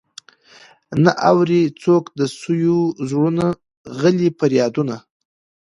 نه اوري څوک د سويو زړونو غلي فريادونه.